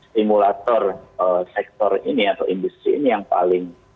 simulator sektor ini atau industri ini yang paling